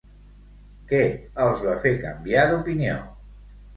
Què els va fer canviar d'opinió?